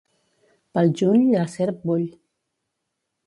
Pel juny la serp bull.